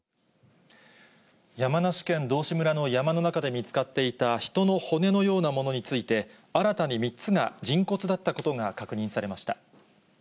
山梨県道志村の山の中で見つかっていた人の骨のようなものについて、新たに３つが人骨だったことが確認されました。